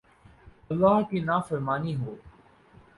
، اللہ کی نافرمانی ہو